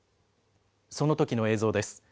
そのときの映像です。